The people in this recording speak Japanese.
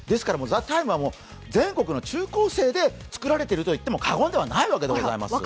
ですから「ＴＨＥＴＩＭＥ，」は全国の中高生で作られていると言っても過言ではないわけです。